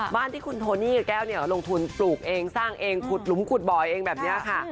บ้านที่คุณโทนี่กับแก้วเนี่ยลงทุนปลูกเองสร้างเองขุดหลุมขุดบ่อยเองแบบนี้ค่ะ